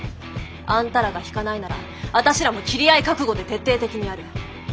あんたらが引かないなら私らも斬り合い覚悟で徹底的にやる。